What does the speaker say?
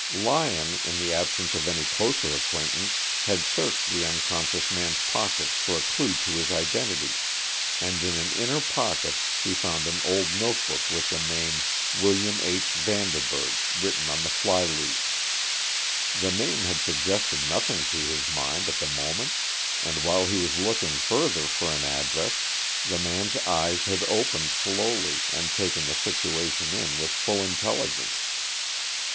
Lyon, in the absence of any closer acquaintance, had searched the unconscious man's pockets for a clue to his identity, and in an inner pocket he found an old note book with the name "William H. Vanderburg" written on the fly leaf. The name had suggested nothing to his mind at the moment, and while he was looking further for an address, the man's eyes had opened slowly and taken the situation in with full intelligence.